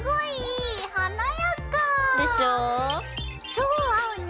超合うね